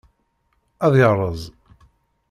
Ad yerreẓ.